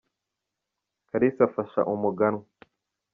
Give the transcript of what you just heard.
karisa afasha umuganwa.